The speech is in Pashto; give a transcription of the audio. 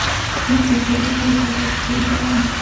د مخ د تور ټکو لپاره باید څه شی وکاروم؟